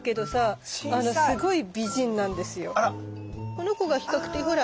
この子が比較的ほら。